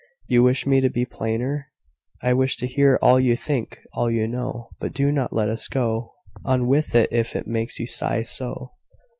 You wish me to be plainer?" "I wish to hear all you think all you know. But do not let us go on with it if it makes you sigh so."